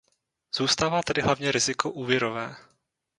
Zůstává tedy hlavně riziko úvěrové.